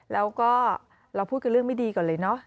แล้วก็เราพูดกันเรื่องไม่ดีก่อนเลยเนอะ